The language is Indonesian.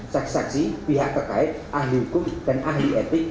saksi saksi pihak terkait ahli hukum dan ahli etik